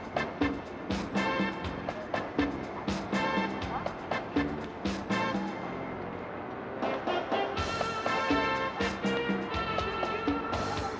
susunya banyak abel sini bawahnya licik